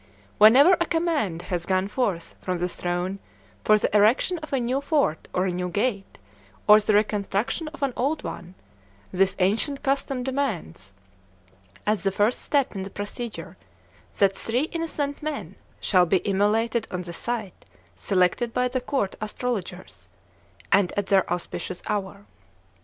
Whenever a command has gone forth from the throne for the erection of a new fort or a new gate, or the reconstruction of an old one, this ancient custom demands, as the first step in the procedure, that three innocent men shall be immolated on the site selected by the court astrologers, and at their "auspicious" hour.